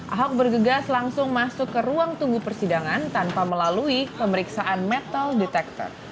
ahok bergegas langsung masuk ke ruang tunggu persidangan tanpa melalui pemeriksaan metal detector